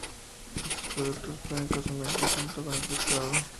Estos productos pueden consumirse junto con el pescado.